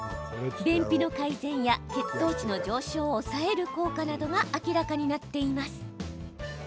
便秘の改善や血糖値の上昇を抑える効果などが明らかになっています。